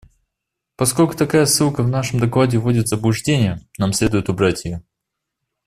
Поскольку такая ссылка в нашем докладе вводит в заблуждение, нам следует убрать ее.